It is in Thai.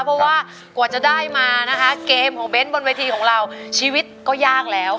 เพราะว่ากว่าจะได้มานะคะเกมของเบ้นบนเวทีของเราชีวิตก็ยากแล้ว